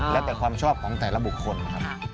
แล้วแต่ความชอบของแต่ละบุคคลครับ